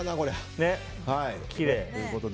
きれい。